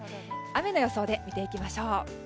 雨の予想で見ていきましょう。